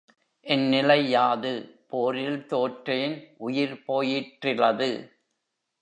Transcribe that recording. என் நிலை யாது போரில் தோற்றேன் உயிர் போயிற்றிலது.